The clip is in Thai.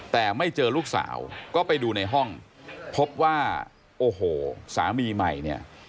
แต่ไม่เจอลูกสาวก็ไปดูในห้องพบว่าโอ้โหสามีใหม่เนี่ย